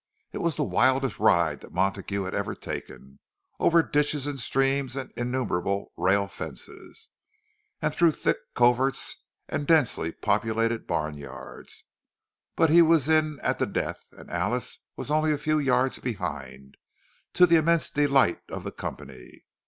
It was the wildest ride that Montague ever had taken—over ditches and streams and innumerable rail fences, and through thick coverts and densely populated barnyards; but he was in at the death, and Alice was only a few yards behind, to the immense delight of the company.